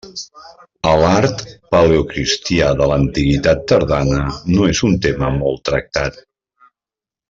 A l'art paleocristià de l'Antiguitat Tardana no és un tema molt tractat.